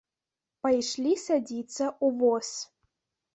Пайшлі садзіцца ў воз.